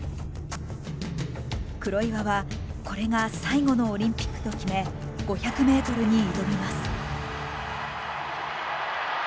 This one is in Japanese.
黒岩はこれが最後のオリンピックと決め５００ｍに挑みます。